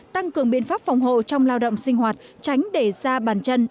tăng cường biện pháp phòng hộ trong lao động sinh hoạt tránh để da bàn chân